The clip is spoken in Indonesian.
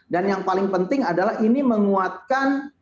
dan yang paling penting adalah ini menguatkan